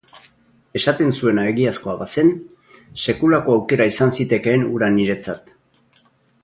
Esaten zuena egiazkoa bazen, sekulako aukera izan zitekeen hura niretzat.